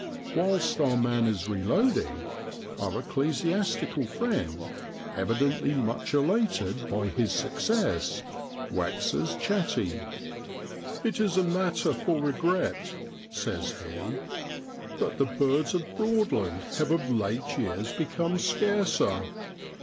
Whilst our man is reloading, our ecclesiastical friend, evidently much elated by his success, waxes chatty. i It is a matter for regret,' says he, i that the birds of Broadland have of late years become scarcer.'